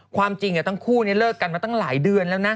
ความจริงความจริงแหลกกันมาตั้งหลายเดือนแล้ว